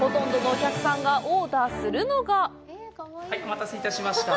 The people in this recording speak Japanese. お待たせいたしました。